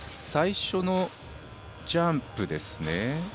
最初のジャンプですね。